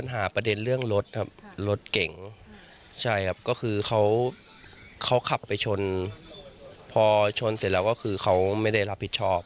ชนเสร็จแล้วก็คือเขาไม่ได้รับผิดชอบ